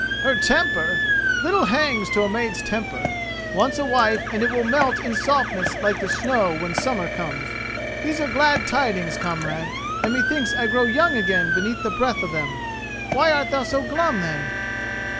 "Her temper! Little hangs to a maid's temper. Once a wife and it will melt in softness like the snow when summer comes. These are glad tidings, comrade, and methinks I grow young again beneath the breath of them. Why art thou so glum then?"